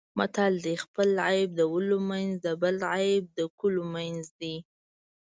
متل دی: خپل عیب د ولو منځ د بل عیب د کلو منځ دی.